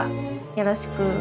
よろしく。